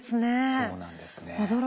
そうなんですね。